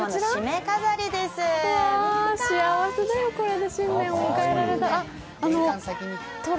うわ、幸せだよ、これで新年を迎えられたら。